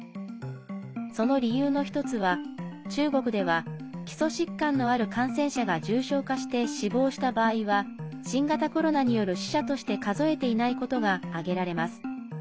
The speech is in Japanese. その理由の１つは、中国では基礎疾患のある感染者が重症化して死亡した場合は新型コロナによる死者として数えていないことが挙げられます。